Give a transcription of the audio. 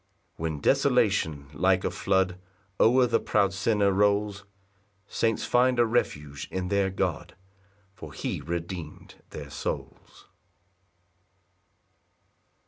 6 When desolation like a flood, O'er the proud sinner rolls, Saints find a refuge in their God, For he redeem'd their souls.